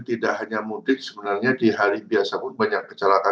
tidak hanya mudik sebenarnya di hari biasa pun banyak kecelakaan